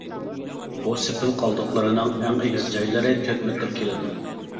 بۇ سېپىل قالدۇقلىرىنىڭ ئەڭ ئېگىز جايلىرى تۆت مېتىر كېلىدۇ.